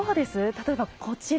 例えばこちら。